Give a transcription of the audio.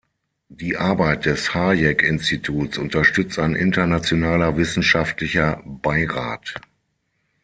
Die Arbeit des Hayek-Instituts unterstützt ein internationaler wissenschaftlicher Beirat.